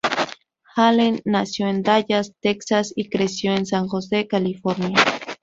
Allen nació en Dallas, Texas y creció en San Jose, California.